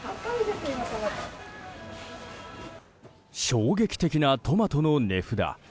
衝撃的なトマトの値札。